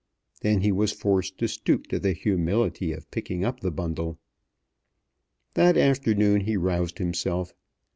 Then he was forced to stoop to the humility of picking up the bundle. That afternoon he roused himself.